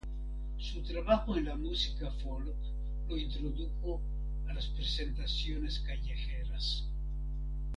Su trabajo en la música folk lo introdujo a las presentaciones callejeras.